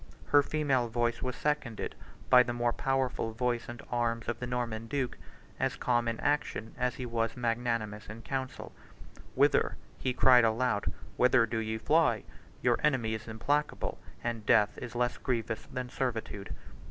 74 Her female voice was seconded by the more powerful voice and arm of the Norman duke, as calm in action as he was magnanimous in council: "Whither," he cried aloud, "whither do ye fly? Your enemy is implacable; and death is less grievous than servitude."